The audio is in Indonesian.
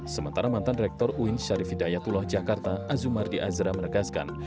sementara mantan rektor uin syarif hidayatullah jakarta azumardi azra menegaskan